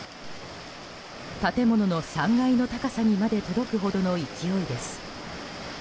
建物の３階の高さにまで届くほどの勢いです。